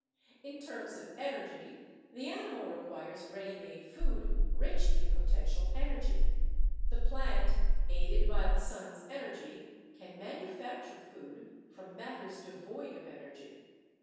In terms of energy, the animal requires ready made food rich in potential energy; the plant, aided by the sun's energy, can manufacture food from matters devoid of energy.